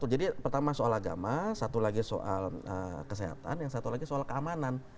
pertama soal agama satu lagi soal kesehatan yang satu lagi soal keamanan